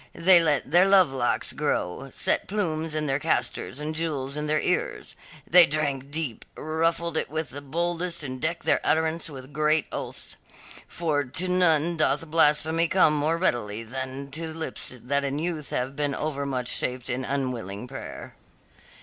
They let their love locks grow; set plumes in their castors and jewels in their ears; they drank deep, ruffled it with the boldest and decked their utterance with great oaths for to none doth blasphemy come more readily than to lips that in youth have been overmuch shaped in unwilling prayer.